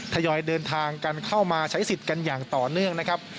ทยอยเดินทางกันเข้ามาใช้สิทธิ์กันอย่างต่อเนื่องนะครับ